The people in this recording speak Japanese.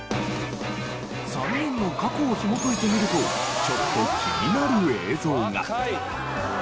３人の過去をひもといてみるとちょっと気になる映像が。